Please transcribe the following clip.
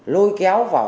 lôi kéo vào hoạt động